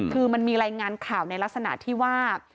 คือมันมีรายงานข่าวในลักษณะที่ว่า